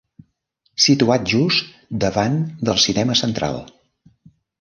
Situat just davant del Cinema Central.